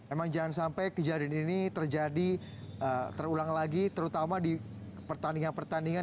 emang jangan sampai kejadian ini terjadi terulang lagi terutama di pertandingan pertandingan